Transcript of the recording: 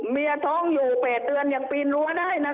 เมียท้องอยู่๘เดือนยังปีนรั้วได้นะ